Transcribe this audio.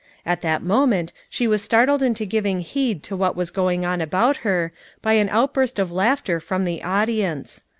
At that moment she was startled into giving heed to what was going on about her by an outburst of laughter from the audience.